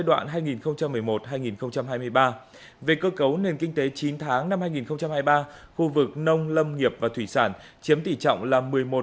chín hai mươi ba so với cùng kỳ năm hai nghìn hai mươi hai về cơ cấu nền kinh tế chín tháng năm hai nghìn hai mươi ba khu vực nông lâm nghiệp và thủy sản chiếm tỷ trọng là